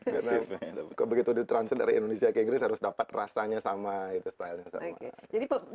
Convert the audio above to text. karena begitu ditransfer dari indonesia ke inggris harus dapat rasanya sama gitu stylenya sama